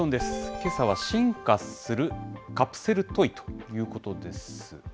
けさは進化するカプセルトイということです。